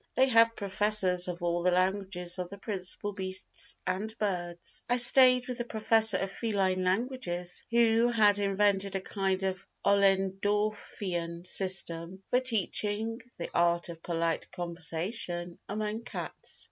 They have professors of all the languages of the principal beasts and birds. I stayed with the Professor of Feline Languages who had invented a kind of Ollendorffian system for teaching the Art of Polite Conversation among cats.